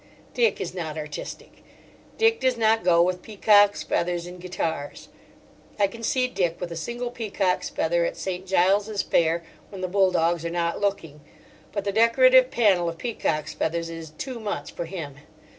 Dick is not artistic. Dick does not go with peacocks' feathers and guitars. I can see Dick with a single peacock's feather at St. Giles's Fair, when the bulldogs are not looking; but the decorative panel of peacock's feathers is too much for him.